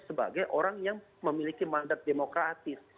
sebagai orang yang memiliki mandat demokratis